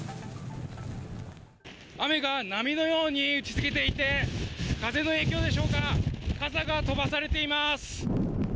雨が波のように打ちつけていて、風の影響でしょうか、傘が飛ばされています。